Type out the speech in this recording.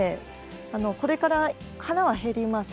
これから花は減ります。